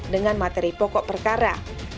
dengan materi pokok perkara